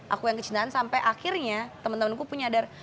aku yang kecintaan sampai akhirnya temen temenku punya dar